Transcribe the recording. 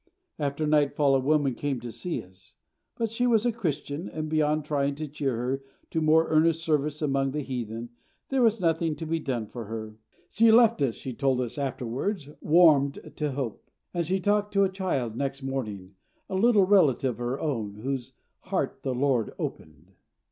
After nightfall a woman came to see us. But she was a Christian, and beyond trying to cheer her to more earnest service among the heathen, there was nothing to be done for her. She left us, she told us afterwards, warmed to hope; and she talked to a child next morning, a little relative of her own, whose heart the Lord opened.